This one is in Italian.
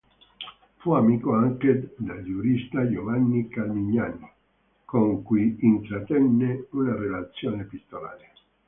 Fu amico anche del giurista Giovanni Carmignani con cui intrattenne una relazione epistolare.